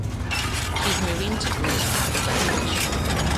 She's moving to Greece after graduation.